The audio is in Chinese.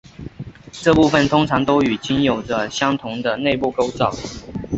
这部分通常都与茎有着相同的内部构造。